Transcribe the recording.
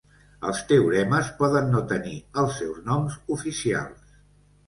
Els teoremes poden no tenir els seus noms oficials.